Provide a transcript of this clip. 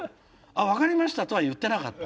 「分かりました」とは言ってなかった。